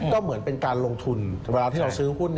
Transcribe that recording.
ก็เหมือนเป็นการลงทุนเวลาที่เราซื้อหุ้น